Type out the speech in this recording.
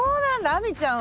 亜美ちゃん